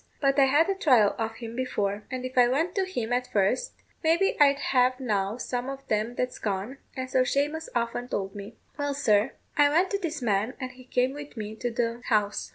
But I had a trial of him before; and if I went to him at first, maybe I'd have now some of them that's gone, and so Shamous often told me. Well, sir, I went to this man, and he came with me to the house.